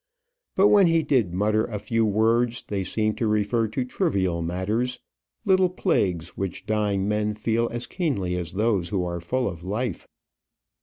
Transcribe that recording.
But when he did mutter a few words, they seemed to refer to trivial matters little plagues which dying men feel as keenly as those who are full of life.